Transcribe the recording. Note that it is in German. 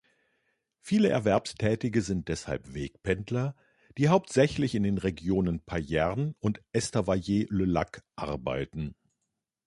Viele Erwerbstätige sind deshalb Wegpendler, die hauptsächlich in den Regionen Payerne und Estavayer-le-Lac arbeiten.